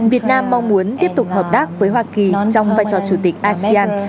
việt nam mong muốn tiếp tục hợp tác với hoa kỳ trong vai trò chủ tịch asean